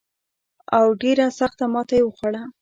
او ډېره سخته ماته یې وخوړه.